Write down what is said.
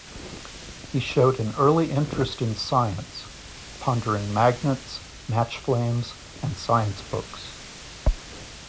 He showed an early interest in science, pondering magnets, match flames, and science books.